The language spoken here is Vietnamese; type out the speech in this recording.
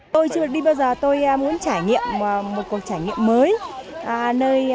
tôi chưa được đi bao giờ tôi muốn trải nghiệm một cuộc trải nghiệm mới